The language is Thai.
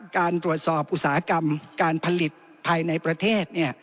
การตรวจสอบอุตสาหกรรมการผลิตภายในประเทศ